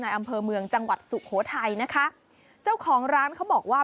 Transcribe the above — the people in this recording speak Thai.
อำเภอเมืองจังหวัดสุโขทัยนะคะเจ้าของร้านเขาบอกว่า